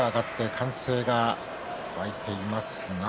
歓声が上がっています。